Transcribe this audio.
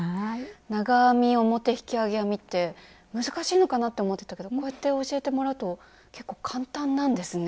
長編み表引き上げ編みって難しいのかなって思ってたけどこうやって教えてもらうと結構簡単なんですね。